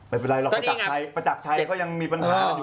ไม่เป็นไรเราประจักษ์ชัยก็ยังมีปัญหาอยู่กับอามนี้